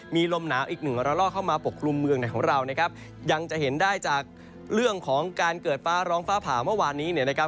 มีลมหนาวอีกหนึ่งระลอกเข้ามาปกกลุ่มเมืองไหนของเรานะครับยังจะเห็นได้จากเรื่องของการเกิดฟ้าร้องฟ้าผ่าเมื่อวานนี้เนี่ยนะครับ